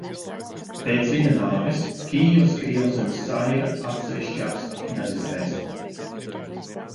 Pēc viņa nāves Kijivas Krievzeme saira atsevišķās kņazistēs.